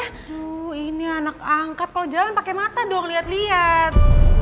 tuh ini anak angkat kalo jalan pake mata doang liat liat